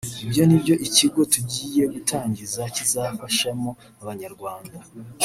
ibyo ni byo ikigo tugiye gutangiza kizafashamo Abanyarwanda”